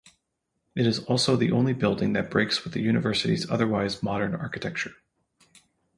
It is also the only building that breaks with the university's otherwise modern architecture.